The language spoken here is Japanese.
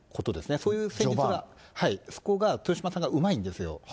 そういう戦術が、そこが豊島さんがうまいんですよ。